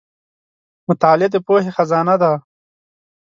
• مطالعه د پوهې خزانه ده.